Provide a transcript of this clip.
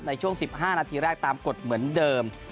ในช่วง๑๕นาทีแรกตามกฎเหมือนเดิม